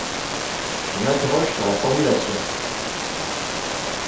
Je m’interroge sur la formulation.